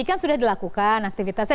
kan sudah dilakukan aktivitasnya